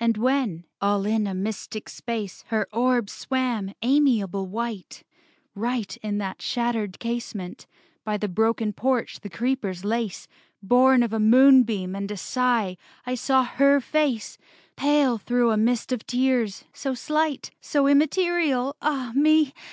And when, all in a mystic space, Her orb swam, amiable white, Right in that shattered casement, by The broken porch the creepers lace, Born of a moonbeam and a sigh, I saw her face, Pale through a mist of tears; so slight, So immaterial, ah me!